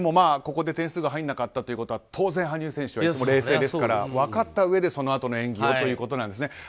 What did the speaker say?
ここで点数が入らなかったということは当然羽生選手は冷静ですから分かったうえでそのあとの演技をということなんですね。